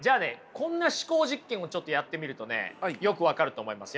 こんな思考実験をやってみるとねよく分かると思いますよ。